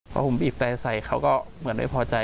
พอผมบีบแต่ใส่เขาก็เหมือนไม่พอใจ